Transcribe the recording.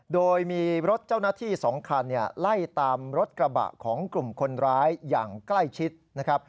โดยมีรถเจ้าหน้าที่๒คันไล่ตามรถกระบะของกลุ่มคนร้ายอย่างใกล้ชิดนะครับ